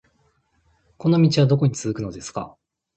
この道はどこに続くのですか